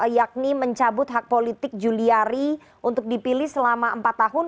yakni mencabut hak politik juliari untuk dipilih selama empat tahun